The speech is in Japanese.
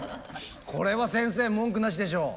これは先生文句なしでしょう。